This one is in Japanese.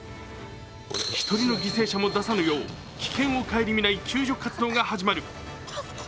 １人の犠牲者も出さぬよう、危険を顧みない救助活動が始まる。